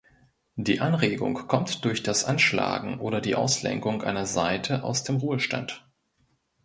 Die Anregung kommt durch das Anschlagen oder die Auslenkung einer Saite aus dem Ruhezustand.